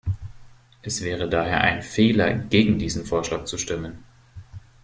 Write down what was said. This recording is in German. Es wäre daher ein Fehler, gegen diesen Vorschlag zu stimmen.